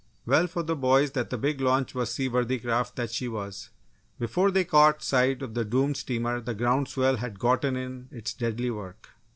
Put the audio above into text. Well for the boys that the big launch was the seaworthy craft that she was. Before they caught sight of the doomed steamer the ground swell had gotten in its deadly work.